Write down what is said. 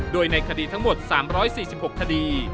โดยในคดีทั้งหมด๓๔๖คดี